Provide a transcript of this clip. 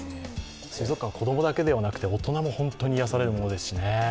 水族館は子供だけではなくて大人も本当に癒やされるところですしね。